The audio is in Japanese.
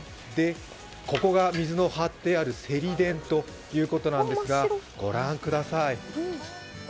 ここが水の張ってあるセリ田ということなんですが、ご覧ください。